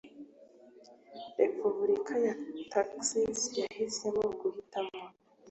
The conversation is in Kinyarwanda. repubulika ya texas yahisemo guhitamo